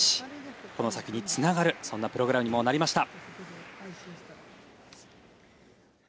この先につながるそんなプログラムにもなりました。